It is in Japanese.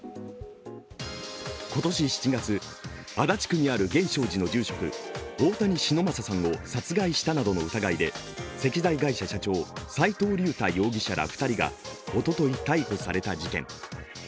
今年７月、足立区にある源証寺の住職・大谷忍昌さんを殺害したなどの疑いで、石材会社社長斉藤竜太容疑者ら２人がおととい逮捕された事件。